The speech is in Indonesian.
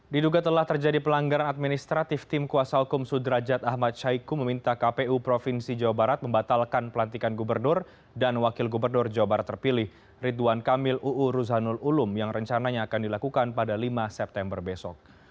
diduga telah terjadi pelanggaran administratif tim kuasa hukum sudrajat ahmad syaiqo meminta kpu provinsi jawa barat membatalkan pelantikan gubernur dan wakil gubernur jawa barat terpilih ridwan kamil uu ruzanul ulum yang rencananya akan dilakukan pada lima september besok